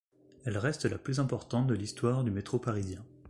Elle reste la plus importante de l'histoire du métro parisien.